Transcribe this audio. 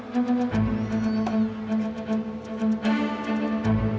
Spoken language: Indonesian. tapi itu saya yang telah memperkaya diri